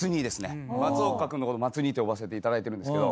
松岡君のこと松兄って呼ばせていただいてるんですけど。